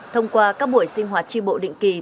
thông qua các buổi sinh hoạt tri bộ định kỳ